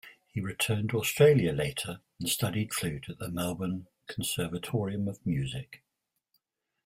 He returned to Australia later and studied flute at the Melbourne Conservatorium of Music.